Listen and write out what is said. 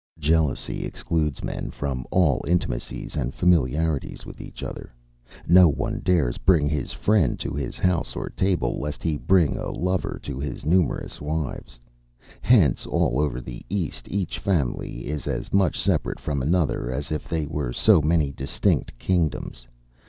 Jealousy excludes men from all intimacies and familiarities with each other. No one dares bring his friend to his house or table, lest he bring a lover to his numerous wives. Hence, all over the East, each family is as much separate from another as if they were so many distinct kingdoms.